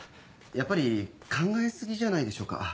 やっぱり考え過ぎじゃないでしょうか？